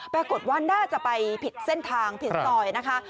ปรากฏว่าน่าจะไปผิดเส้นทางผิดซอยนะคะ